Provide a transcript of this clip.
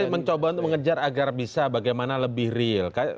saya mencoba untuk mengejar agar bisa bagaimana lebih real